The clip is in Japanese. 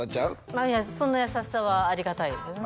まあそんな優しさはありがたいですよね